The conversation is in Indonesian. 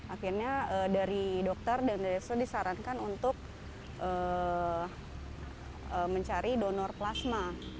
akhirnya dari dokter dan dari saya disarankan untuk mencari donor plasma